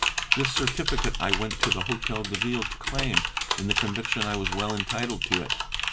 This certificate I went to the Hôtel de Ville to claim, in the conviction I was well entitled to it.